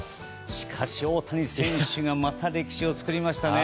しかし、大谷選手がまた歴史を作りましたね。